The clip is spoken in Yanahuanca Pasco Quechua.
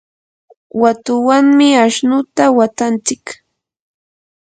watuwanmi ashnuta watantsik.